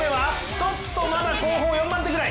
ちょっとまだ後方４番手くらい。